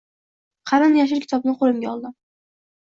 Qalin yashil kitobni qo’limga oldim.